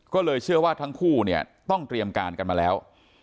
ก็เลยเชื่อว่าทั้งคู่เนี่ยต้องเตรียมการกันมาแล้ว